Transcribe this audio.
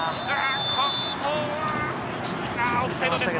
ここはオフサイドでした。